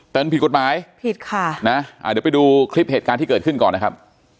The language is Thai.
แต่มันผิดกฎหมายผิดค่ะนะเดี๋ยวไปดูคลิปเหตุการณ์ที่เกิดขึ้นก่อนนะครับ